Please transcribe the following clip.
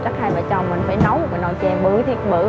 chắc hai vợ chồng mình phải nấu một cái nồi chè bự thiệt bự